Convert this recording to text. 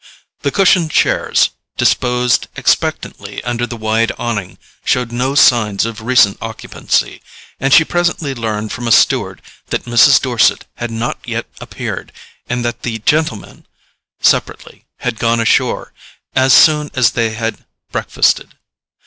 The cushioned chairs, disposed expectantly under the wide awning, showed no signs of recent occupancy, and she presently learned from a steward that Mrs. Dorset had not yet appeared, and that the gentlemen—separately—had gone ashore as soon as they had breakfasted.